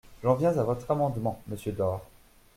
J’en viens à votre amendement, monsieur Door.